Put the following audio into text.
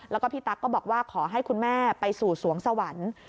แล้วก็พี่ตั๊กก็บอกว่าขอให้คุณแม่ไปสู่สวงสวรรค์